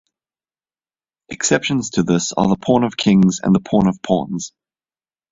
Exceptions to this are the Pawn of Kings and Pawn of Pawns.